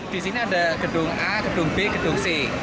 di sini ada gedung a gedung b gedung c